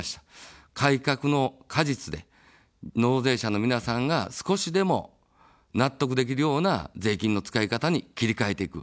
改革の果実で、納税者の皆さんが少しでも納得できるような税金の使い方に切り替えていく。